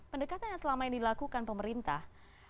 pendekatan yang selama ini dilakukan pemerintah